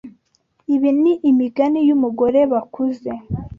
Ibi ni imigani y'umugorebakuze.